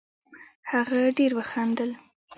هغه ډېر وخندل